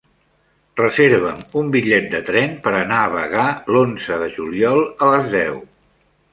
Reserva'm un bitllet de tren per anar a Bagà l'onze de juliol a les deu.